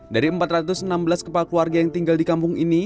dari empat ratus enam belas kepala keluarga yang tinggal di kampung ini